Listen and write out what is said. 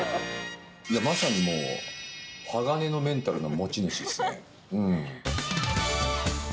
まさにもう鋼のメンタルの持ち主ですね。